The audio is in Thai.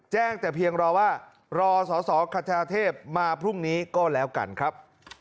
แจ้งแต่เพียงรอว่ารอสอสอคัทธาเทพมาพรุ่งนี้ก็แล้วกันครับ